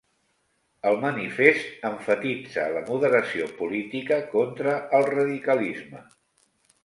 El manifest emfatitza la moderació política contra el radicalisme.